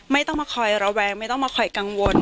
ไม่ต้องมาคอยระแวงไม่ต้องมาคอยกังวล